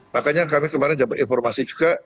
makanya kami kemarin dapat informasi juga